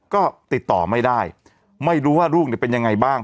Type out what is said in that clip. ก็ติดต่อไม่ได้ไม่รู้ว่าลูกเนี่ยเป็นยังไงบ้าง